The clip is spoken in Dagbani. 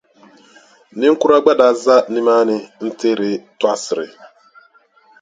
Niŋkura gba daa za nimaani n-teeri tɔɣisiri.